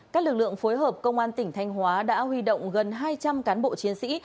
các lực lượng phối hợp công an tỉnh thanh hóa đã huy động gần hai trăm linh cán bộ chiến sĩ